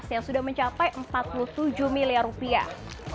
yang sudah mencapai empat puluh tujuh miliar rupiah